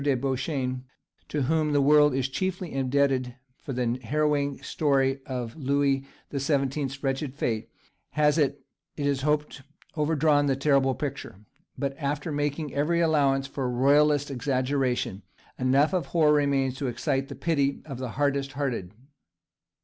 de Beauchesne, to whom the world is chiefly indebted for the harrowing story of Louis the Seventeenth's wretched fate, has, it is to be hoped, overdrawn the terrible picture; but, after making every allowance for royalist exaggeration, enough of horror remains to excite the pity of the hardest hearted.